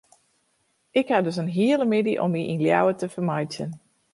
Ik ha dus in hiele middei om my yn Ljouwert te fermeitsjen.